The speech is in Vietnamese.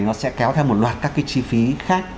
nó sẽ kéo theo một loạt các cái chi phí khác